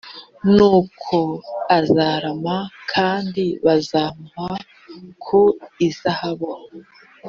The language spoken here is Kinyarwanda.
nuko azarama kandi bazamuha ku izahabu